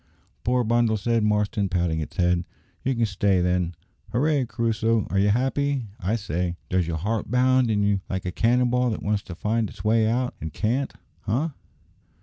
"Poor bundle!" said Marston, patting its head, "you can stay then. Hooray! Crusoe, are you happy, I say? Does your heart bound in you like a cannon ball that wants to find its way out, and can't, eh?"